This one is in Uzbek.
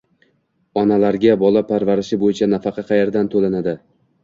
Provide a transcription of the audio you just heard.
onalarga bola parvarishi bo‘yicha nafaqa qayerdan to‘lanadi?